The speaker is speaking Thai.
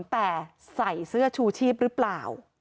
แต่ใส่เสื้อชูชีพหรือเปล่า